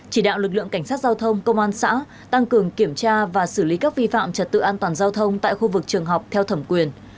chỉ đạo lực lượng cảnh sát giao thông công an xã tăng cường kiểm tra và xử lý các vi phạm trật tự an toàn giao thông tại khu vực trường học theo thẩm quyền